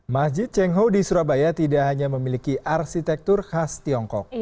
masjid cengho di surabaya tidak hanya memiliki arsitektur khas tiongkok